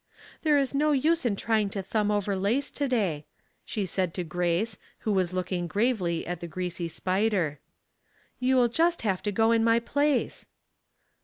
" There is no use in trying to thumb over lace to day," she said to Grace, who was looking gravely at the greasy spider. " You will just have to go in my place."